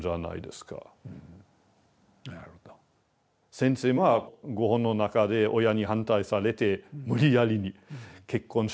先生はご本の中で親に反対されて無理やりに結婚したと。